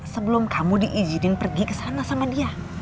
sebelum kamu diizin pergi ke sana sama dia